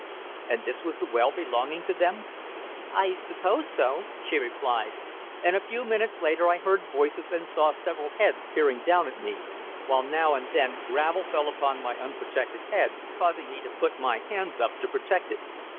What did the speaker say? "And this was the well belonging to them?" "I suppose so," she replied, and a few minutes later I heard voices and saw several heads peering down at me, while now and then gravel fell upon my unprotected head, causing me to put my hands up to protect it.